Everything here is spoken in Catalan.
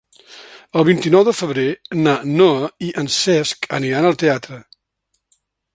El vint-i-nou de febrer na Noa i en Cesc aniran al teatre.